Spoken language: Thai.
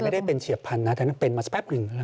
ไม่ได้เป็นเฉียบพันธนะตอนนั้นเป็นมาสักแป๊บหนึ่ง